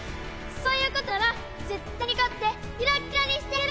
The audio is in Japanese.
そういうことなら絶対に勝ってキラッキラにしてあげる！